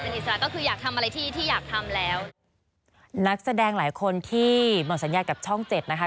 อิสระก็คืออยากทำอะไรที่ที่อยากทำแล้วนักแสดงหลายคนที่หมดสัญญากับช่องเจ็ดนะคะ